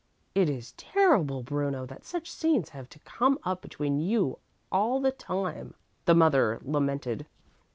"It is terrible, Bruno, that such scenes have to come up between you all the time," the mother lamented.